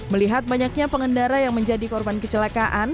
melihat banyaknya pengendara yang menjadi korban kecelakaan